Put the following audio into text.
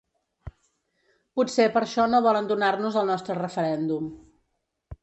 Potser per això no volen donar-nos el nostre referèndum.